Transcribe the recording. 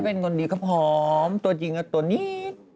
ก็เป็นคนดีครับผมตัวจริงตัวนี้